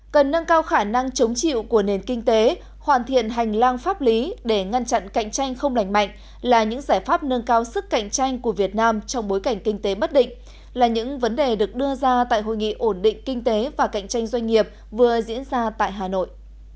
cần nâng cao khả năng chống chịu của nền kinh tế hoàn thiện hành lang pháp lý để ngăn chặn cạnh tranh không lành mạnh là những giải pháp nâng cao sức cạnh tranh của việt nam trong bối cảnh kinh tế bất định là những vấn đề được đưa ra tại hội nghị ổn định kinh tế và cạnh tranh doanh nghiệp vừa diễn ra tại hà nội